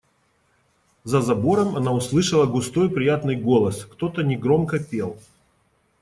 За забором она услышала густой приятный голос: кто-то негромко пел.